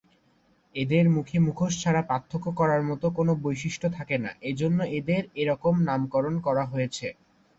এদের মুখে মুখোশ ছাড়া পার্থক্য করার মতো কোনো বৈশিষ্ট্য থাকে না এবং এজন্য এদের এরকম নামকরণ করা হয়েছে।